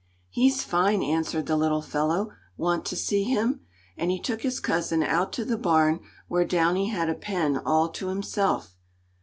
"He's fine," answered the little fellow. "Want to see him?" and he took his cousin out to the barn where Downy had a pen all to himself.